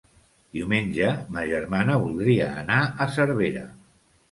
Diumenge ma germana voldria anar a Cervera.